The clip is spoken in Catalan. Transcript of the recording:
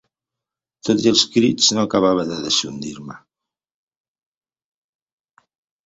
Tot i els crits, no acabava de deixondir-me.